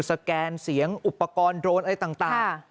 สแกนเสียงอุปกรณ์โดรนอะไรต่าง